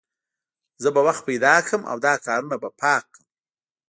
زه به وخت پیدا کړم او دا کارونه به پاک کړم